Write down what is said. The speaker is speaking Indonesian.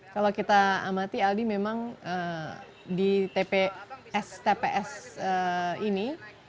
kalau kita amati aldi memang di tps ini